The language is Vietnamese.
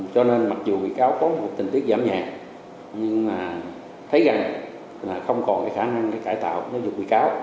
cho nên mặc dù bị cáo có một tình tiết giảm nhẹ nhưng mà thấy rằng là không còn cái khả năng để cải tạo giúp bị cáo